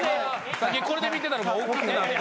さっきこれで見てたのがおっきくなって。